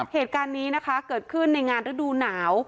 เหตุการณ์นี้นะคะเกิดขึ้นในงานฤดูหนาว